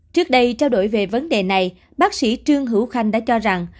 trước đây trao đổi về vấn đề này bác sĩ trương hữu khanh đã cho rằng